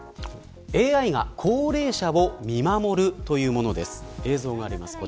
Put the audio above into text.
ＡＩが高齢者を見守るというものです。